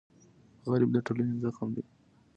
غریب د ټولنې زخم دی